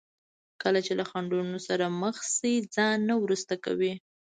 کله چې له خنډونو سره مخ شي ځان نه وروسته کوي.